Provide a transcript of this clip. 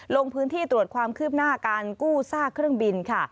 ลงพื้นที่ตรวจความคืบหน้าการกู้ซากเครื่องบินค่ะ